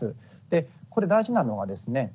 でこれ大事なのはですね